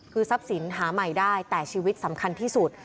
คือทรัพย์สินหาใหม่ได้แต่ชีวิตสำคัญที่สุด